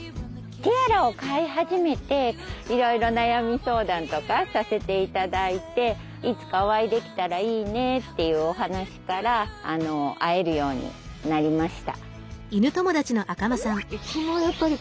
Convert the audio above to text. ティアラを飼い始めていろいろ悩み相談とかさせて頂いていつかお会いできたらいいねというお話から会えるようになりました。